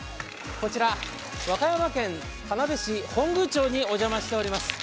こちら和歌山県田辺市本宮町にお邪魔しております。